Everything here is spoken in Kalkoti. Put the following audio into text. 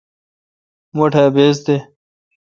مٹھ ا بِس دہ۔